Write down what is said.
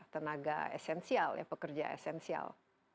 tenaga esensial ya pekerja esensial